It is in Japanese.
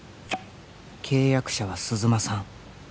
「契約者は鈴間さん」